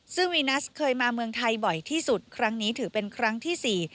ซึ่งวีนัสเคยมาเมืองไทยบ่อยที่สุดครั้งนี้ถือเป็นครั้งที่สี่